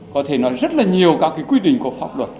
có thể nói rất là nhiều các cái quy định của pháp luật